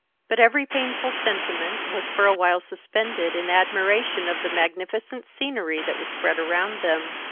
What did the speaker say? But every painful sentiment was for a while suspended in admiration of the magnificent scenery that was spread around them.